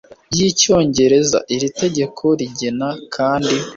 y Icyongereza Iri tegeko rigena kandi